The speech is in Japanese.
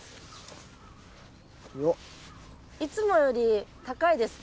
いつもより高いですか？